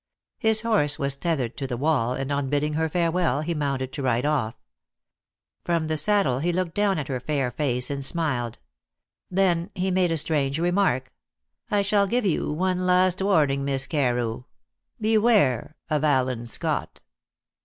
His horse was tethered to the wall, and on bidding her farewell he mounted to ride off. From the saddle he looked down at her fair face and smiled. Then he made a strange remark: "I shall give you one last warning, Miss Carew: Beware of Allen Scott!"